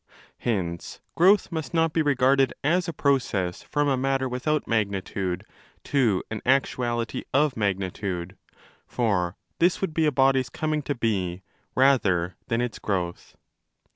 Hence growth must not be regarded as a process from a matter without magnitude to an actuality of magnitude: for this would be a body's coming to be rather than its growth.